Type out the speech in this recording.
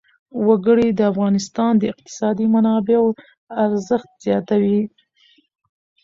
وګړي د افغانستان د اقتصادي منابعو ارزښت زیاتوي.